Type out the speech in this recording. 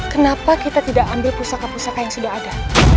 kenapa kita tidak ambil pusaka pusaka yang sudah ada